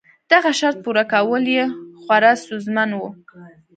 دغه شرط پوره کول یې خورا ستونزمن و.